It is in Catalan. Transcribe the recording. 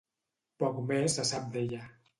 Poc més se sap d'ella.